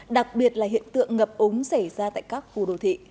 đặc biệt là hiện tượng ngập ống xảy ra tại các khu đồ thị